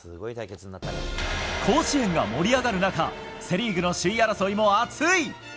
甲子園が盛り上がる中セ・リーグの首位争いも熱い。